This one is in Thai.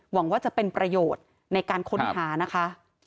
หวังว่าจะเป็นประโยชน์ในการค้นหานะคะ